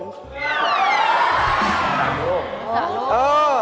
สลง